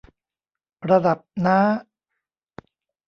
ระดับน้า